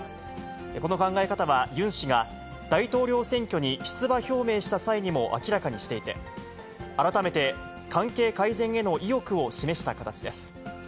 この考え方は、ユン氏が、大統領選挙に出馬表明した際にも明らかにしていて、改めて関係改善への意欲を示した形です。